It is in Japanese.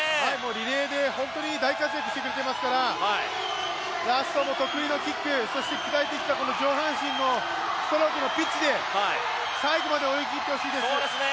リレーで本当に大活躍をしてくれていますからラストも得意のキック、鍛えてきた上半身のストロークのピッチで最後まで泳ぎ切ってほしいですね。